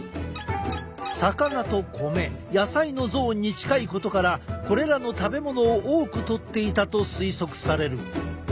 魚と米野菜のゾーンに近いことからこれらの食べ物を多くとっていたと推測される。